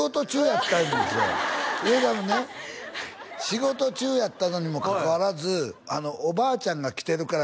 仕事中やったのにもかかわらず「おばあちゃんが来てるから」